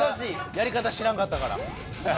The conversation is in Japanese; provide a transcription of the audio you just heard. やり方知らんかったから。